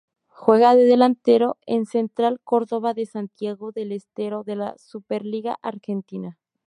Juega de delantero en Central Córdoba de Santiago del Estero de la Superliga Argentina.